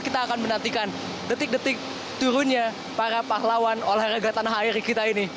kita akan menantikan detik detik turunnya para pahlawan olahraga tanah air kita ini